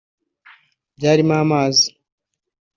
byarimo amazi